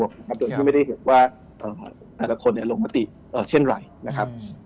โดยที่ไม่ได้เห็นว่าแต่ละคนลงมติเช่นไรนะครับ